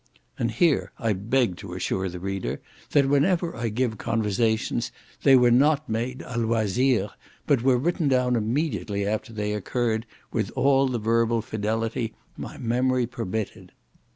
And here I beg to assure the reader, that whenever I give conversations they were not made À LOISIR, but were written down immediately after they occurred, with all the verbal fidelity my memory permitted.